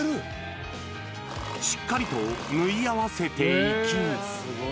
しっかりと縫い合わせていき。